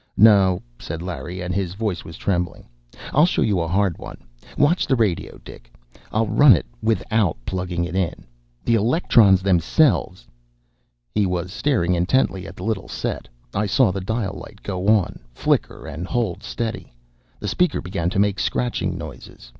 "No," said Larry, and his voice was trembling, "I'll show you a hard one. Watch the radio, Dick. I'll run it without plugging it in! The electrons themselves " He was staring intently at the little set. I saw the dial light go on, flicker, and hold steady; the speaker began to make scratching noises.